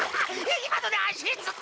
今ので足つった！